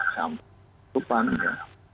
sampai tindakan hukuman